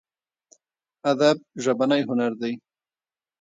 ادب ژبنی هنر دی.